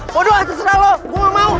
waduh terserah lu gue mau